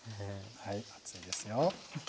はい熱いですよ。